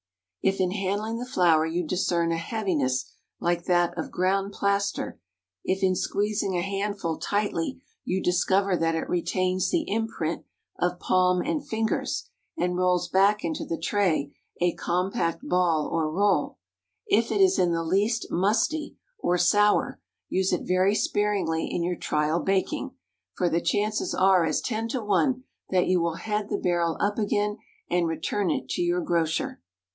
If in handling the flour you discern a heaviness like that of ground plaster; if in squeezing a handful tightly you discover that it retains the imprint of palm and fingers, and rolls back into the tray a compact ball or roll; if it is in the least musty, or sour, use it very sparingly in your trial baking, for the chances are as ten to one that you will head the barrel up again and return it to your grocer.